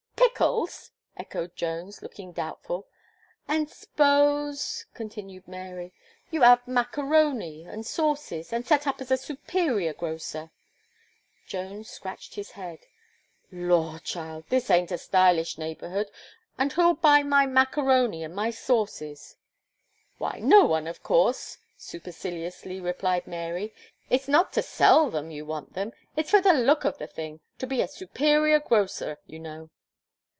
"Pickles!" echoed Jones, looking doubtful. "And s'pose," continued Mary, "you add macaroni, and sauces, and set up as a superior grocer." Jones scratched his head. "Law, child!" he said, "this aint a stylish neighbourhood and who'll buy my macaroni and my sauces?" "Why no one, of course," superciliously replied Mary. "It's not to sell them, you want them; it's for the look of the thing to be a superior grocer, you know."